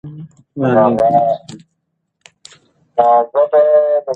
ما د بي بي سي ویډیوګانې د غنمرنګه ډوډۍ پخولو په اړه وکتلې.